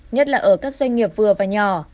nhất là ở các doanh nghiệp vừa và nhỏ